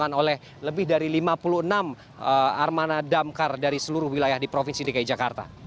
dan upaya pemadaman juga masih terus dilakukan oleh lebih dari lima puluh enam armana damkar dari seluruh wilayah di provinsi dki jakarta